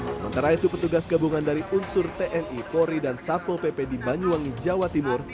sementara itu petugas gabungan dari unsur tni polri dan satpol pp di banyuwangi jawa timur